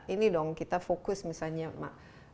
ini dong kita fokus misalnya mak